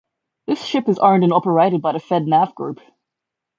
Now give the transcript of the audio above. The ship is owned and operated by the Fednav Group.